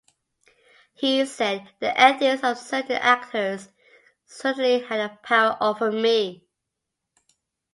He said: The ethics of certain actors certainly had a power over me.